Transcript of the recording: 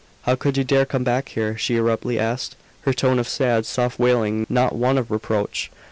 "How could you dare come back here!" she abruptly asked, her tone of sad, soft wailing, not one of reproach.